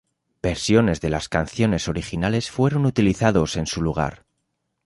Versiones de las canciones originales fueron utilizados en su lugar.